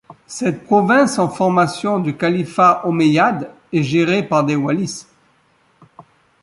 Cette province en formation du califat Omeyyade est gérée par des Walis.